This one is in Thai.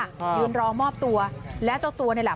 ยืนรอมอบตัวแล้วเจ้าตัวนี่แหละ